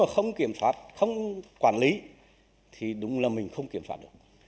không kiểm soát không quản lý thì đúng là mình không kiểm soát được